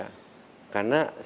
karena saya sudah berada di kupandang